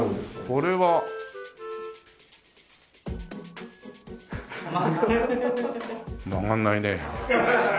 これは。曲がんないね。